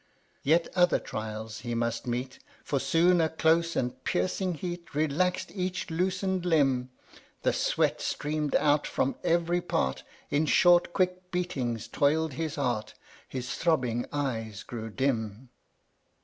23. Yet other trials he must meet ; For soon a close and piercing heat THE CROSS ROADS. 445 Relax'd eacli loosen'd limb; The sweat streain'd out from every pait ; In short, quick beatings toil'd his heart; His tlirobbing eyes grew dim.